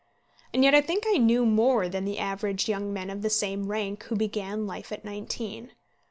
And yet I think I knew more than the average of young men of the same rank who began life at nineteen.